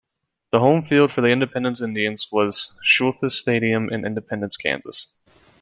The home field for the Independence Indians was Shulthis Stadium in Independence, Kansas.